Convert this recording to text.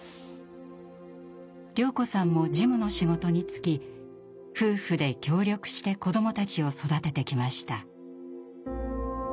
綾子さんも事務の仕事に就き夫婦で協力して子どもたちを育ててきました。